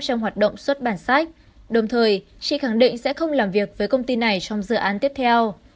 trong hoạt động xuất bản sách đồng thời chị khẳng định sẽ không làm việc với công ty này trong dự án tiếp theo